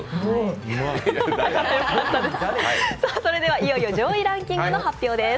いよいよ上位ランキングの発表です。